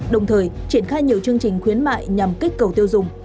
đồng thời triển khai nhiều chương trình khuyến mại nhằm kích cầu tiền